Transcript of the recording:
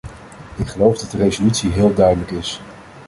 Ik geloof dat de resolutie heel duidelijk is.